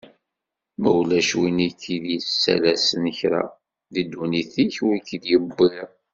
Ma ulac win ik-yettalasen kra, deg dunnit-ik ur k-id-yewwiḍ.